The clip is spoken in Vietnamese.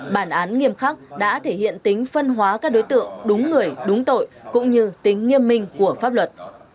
bản án nghiêm khắc đã thể hiện tính phân hóa các đối tượng đúng người đúng tội cũng như tính nghiêm minh của pháp luật